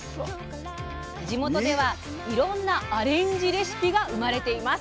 地元ではいろんなアレンジレシピが生まれています。